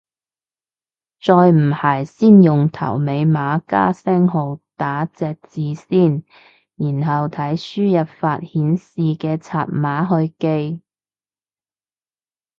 再唔係先用頭尾碼加星號打隻字先，然後睇輸入法顯示嘅拆碼去記